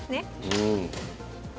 うん。